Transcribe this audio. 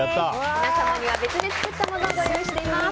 皆様には別で作ったものをご用意しております。